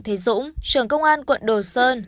thế dũng trưởng công an quận đồ sơn